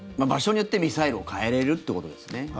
場所によってミサイルを変えられるということですね。